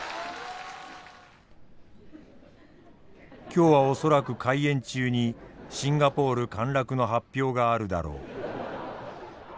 「今日は恐らく開演中にシンガポール陥落の発表があるだろう。